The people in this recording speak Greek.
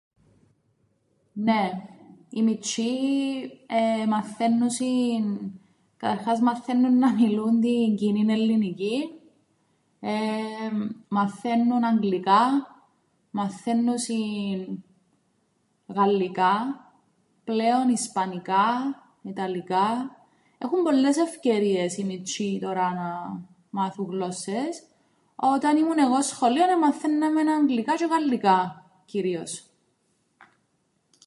Νναι, οι μιτσ̆ιοί εεε μαθαίννουσιν, κατ’ αρχάς μαθαίννουν να μιλούν την κοινήν Ελληνική, εεεμ, μαθαίννουν Αγγλικά, μαθαίννουσιν Γαλλικά, πλέον Ισπανικά, Ιταλικά, έχουν πολλές ευκαιρίες οι μιτσ̆ιοί τωρά να μάθουν γλώσσες, όταν ήμουν εγώ σχολείον εμαθαίνναμεν Αγγλικά τζ̌αι Γαλλικά κυρίως.